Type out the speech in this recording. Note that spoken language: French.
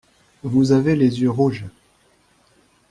Vous avez les yeux rouges.